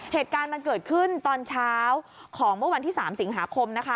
เหตุการณ์มันเกิดขึ้นตอนเช้าของเมื่อวันที่๓สิงหาคมนะคะ